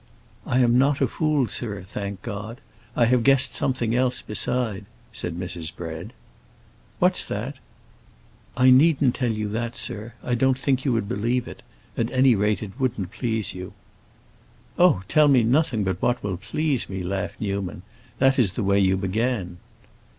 "I am not a fool, sir, thank God. I have guessed something else beside," said Mrs. Bread. "What's that?" "I needn't tell you that, sir; I don't think you would believe it. At any rate it wouldn't please you." "Oh, tell me nothing but what will please me," laughed Newman. "That is the way you began."